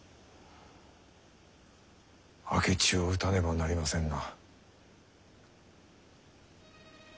明智を討たねばなりませんな。